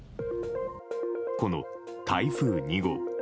この台風２号。